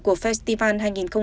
của festival hai nghìn hai mươi bốn